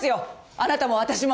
あなたも私も。